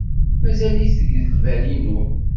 Mazal-ik deg lbal-inu.